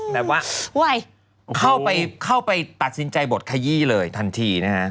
แบบว่าเข้าไปตัดสินใจบดขยี้เลยทันทีนะฮะ